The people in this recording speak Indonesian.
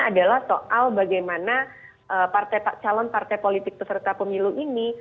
adalah soal bagaimana calon partai politik peserta pemilu ini